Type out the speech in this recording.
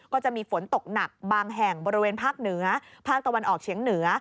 ก็จะมีฝนตกหนักบางแห่งบริเวณภาคเหนือภาคตะวันออกเฉียงเหนือ